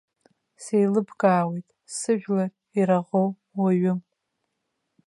Сеилыбкаауеит, зыжәлар ираӷоу уаҩым.